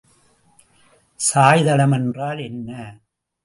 சாய்தளம் என்றால் என்ன?